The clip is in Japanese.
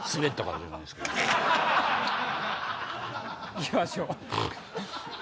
いきましょう。